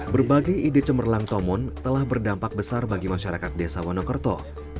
berbagai ide cemerlang tomon telah berdampak besar bagi masyarakat desa wonokerto